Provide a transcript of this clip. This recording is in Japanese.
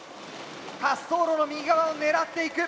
滑走路の右側を狙っていく。